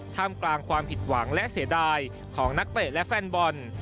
กลางความผิดหวังและเสียดายของนักเตะและแฟนบอล